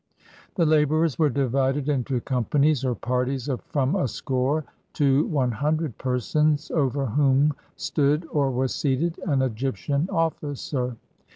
The laborers were divided into companies or parties of from a score to one hundred persons, over whom stood, or was seated, an Egyptian officer.